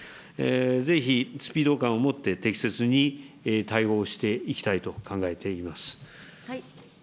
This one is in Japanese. ぜひスピード感を持って適切に対応をしていきたいと考えています。